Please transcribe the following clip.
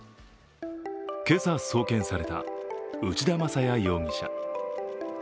今朝送検された内田正也容疑者。